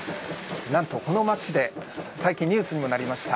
何とこの街で最近ニュースにもなりました